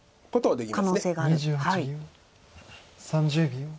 ３０秒。